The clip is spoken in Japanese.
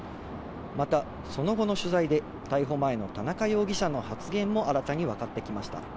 またその後の取材で、逮捕前の田中容疑者の発言も新たに分かってきました。